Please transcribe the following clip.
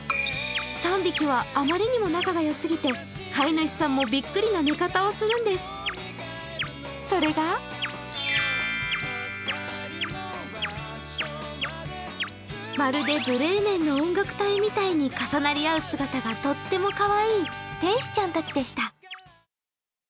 ３匹はあまりにも仲が良すぎて飼い主さんもびっくりの寝方をするんです、それがまるでブレーメンの音楽隊みたいに重なる姿がとってもかわいい天使ちゃんたちでした。